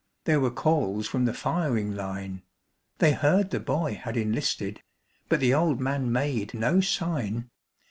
There were calls from the firing line; They heard the boy had enlisted, but the old man made no sign.